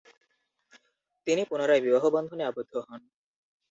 তিনি পুনরায় বিবাহ বন্ধনে আবদ্ধ হন।